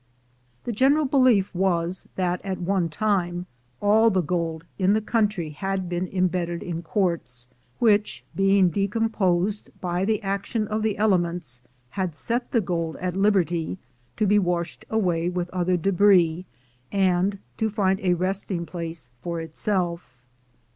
The general belief was that at one time all the gold in the country had been imbedded in quartz, which, being decomposed by the action of the elements, had set the gold at liberty, to be washed away with other debris, and to find a resting place for itself.